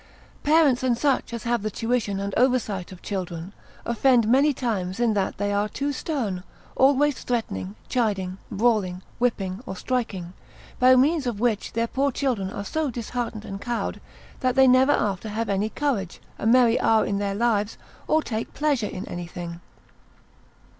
Parents and such as have the tuition and oversight of children, offend many times in that they are too stern, always threatening, chiding, brawling, whipping, or striking; by means of which their poor children are so disheartened and cowed, that they never after have any courage, a merry hour in their lives, or take pleasure in anything.